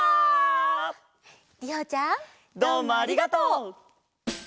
どうもありがとう！